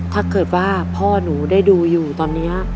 ถ้าเกิดว่าพ่อหนูได้ดูอยู่ตอนนี้